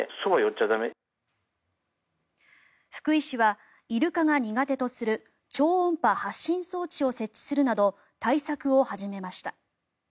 福井市はイルカが苦手とする超音波発信装置を設置するなど対策を始めました。